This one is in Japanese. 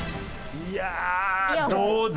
いやあどうだ？